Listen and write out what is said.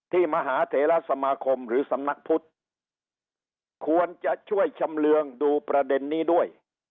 มหาเถระสมาคมหรือสำนักพุทธควรจะช่วยชำเรืองดูประเด็นนี้ด้วย